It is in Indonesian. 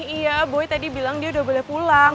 iya boy tadi bilang dia udah boleh pulang